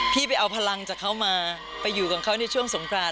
พี่ไปเอาพลังจากเขามาไปอยู่กับเขาในช่วงสงคราน